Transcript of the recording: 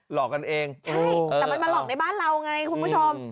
หลอกกันเองใช่แต่มันมาหลอกในบ้านเราไงคุณผู้ชม